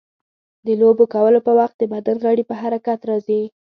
د لوبو کولو په وخت د بدن غړي په حرکت راځي.